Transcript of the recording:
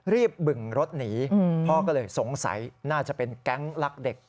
บึงรถหนีพ่อก็เลยสงสัยน่าจะเป็นแก๊งลักเด็ก